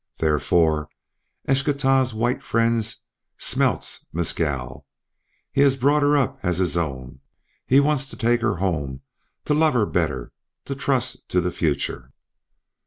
Therefore Eschtah's white friend smelts Mescal; he has brought her up as his own; he wants to take her home, to love her better, to trust to the future."